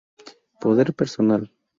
Poder personal.